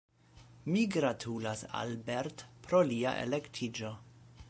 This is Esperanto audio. Mi gratulas Albert pro lia elektiĝo.